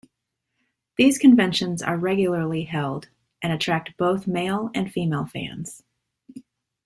These conventions are regularly held and attract both male and female fans.